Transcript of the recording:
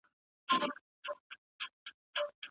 دا سړک نوی جوړ شوی دی.